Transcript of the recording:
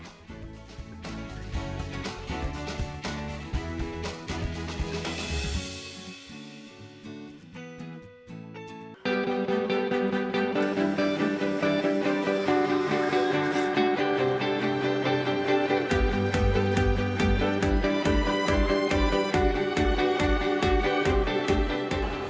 nah opusnya seperti ini